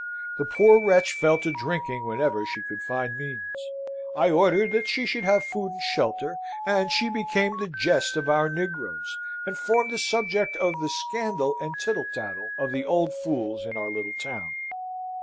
The poor wretch fell to drinking whenever she could find means. I ordered that she should have food and shelter, and she became the jest of our negroes, and formed the subject of the scandal and tittle tattle of the old fools in our little town.